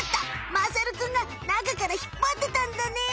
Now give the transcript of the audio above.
まさるくんが中から引っぱってたんだね！